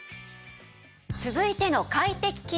続いての快適機能